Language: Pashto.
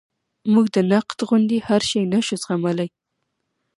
موږ د نقد غوندې هر شی نشو زغملی.